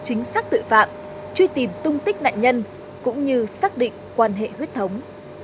chính xác tội phạm truy tìm tung tích nạn nhân cũng như xác định quan hệ huyết thống